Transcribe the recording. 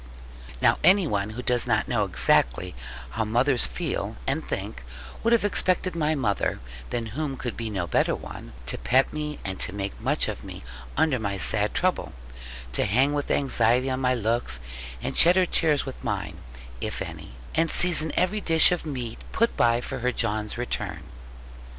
Now any one who does not know exactly how mothers feel and think, would have expected my mother (than whom could be no better one) to pet me, and make much of me, under my sad trouble; to hang with anxiety on my looks, and shed her tears with mine (if any), and season every dish of meat put by for her John's return.